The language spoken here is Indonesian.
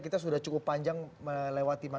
kita sudah cukup panjang melewati